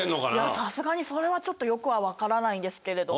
さすがにそれはちょっとよくは分からないんですけれども。